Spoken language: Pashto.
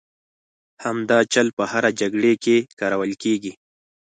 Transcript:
همدا چل په هرې جګړې کې کارول کېږي.